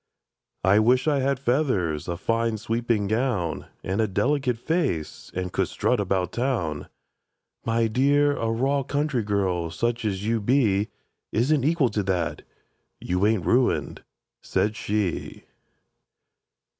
—"I wish I had feathers, a fine sweeping gown, And a delicate face, and could strut about Town!"— "My dear—a raw country girl, such as you be, Isn't equal to that. You ain't ruined," said she.